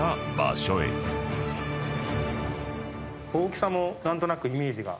大きさも何となくイメージが。